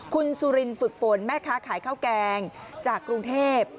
คุณสุรินฝึกฝนแม่ค้าขายข้าวแกงจากกรุงเทพ